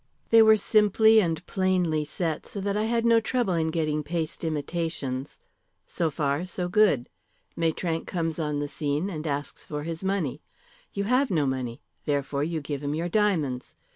They were simply and plainly set, so that I had no trouble in getting paste imitations. "So far, so good. Maitrank comes on the scene and asks for his money. You have no money, therefore you give him your diamonds.